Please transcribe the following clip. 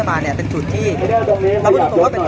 สวัสดีครับทุกคนวันนี้เกิดขึ้นเกิดขึ้นทุกวันนี้นะครับ